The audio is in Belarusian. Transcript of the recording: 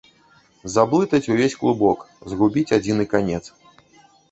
Заблытаць увесь клубок, згубіць адзіны канец.